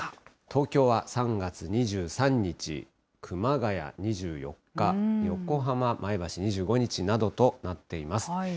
東京は３月２３日、熊谷や２４日、横浜、前橋２５日などとなっています。